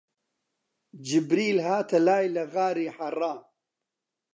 جیبریل هاتە لای لە غاری حەرا